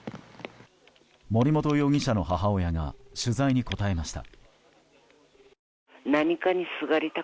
森本容疑者の母親が取材に答えました。